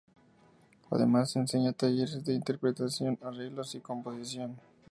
Además enseña en talleres de interpretación, arreglos y composición.